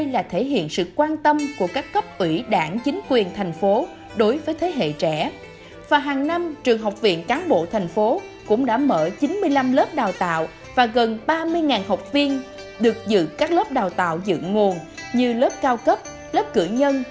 lớp cao cấp lớp cử nhân